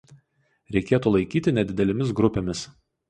Reikėtų laikyti nedidelėmis grupėmis.